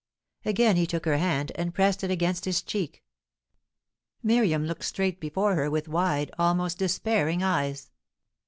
Again he took her hand, and pressed it against his cheek Miriam looked straight before her with wide, almost despairing eyes.